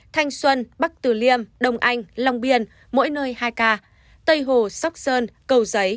thanh xuân bắc từ liêm đông anh long biên mỗi nơi hai ca tây hồ sóc sơn cầu giấy